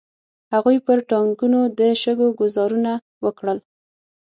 هغوی پر ټانګونو د شګو ګوزارونه وکړل.